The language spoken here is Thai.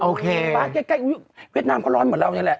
บ้านใกล้เวียดนามก็ร้อนเหมือนเรานี่แหละ